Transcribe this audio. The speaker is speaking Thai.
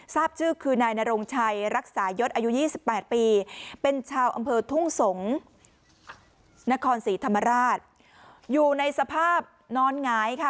ทุ่งสงศ์นครศรีธรรมราชอยู่ในสภาพนอนหงายค่ะ